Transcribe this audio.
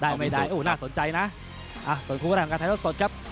ได้หรือไม่ได้โอ้โหน่าสนใจนะส่วนครูก็ได้ทางการไทยรถสดครับ